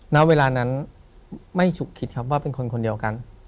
ณเวลานั้นไม่ฉุกคิดครับว่าเป็นคนคนเดียวกัน